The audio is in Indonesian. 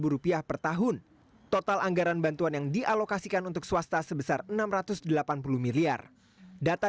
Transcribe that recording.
rupiah per tahun total anggaran bantuan yang dialokasikan untuk swasta sebesar enam ratus delapan puluh miliar data